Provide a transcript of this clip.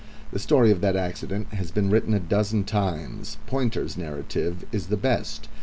The story of the accident has been written a dozen times. Pointer's narrative is the best.